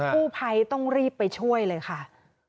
ผู้ภัยต้องรีบไปช่วยเลยค่ะ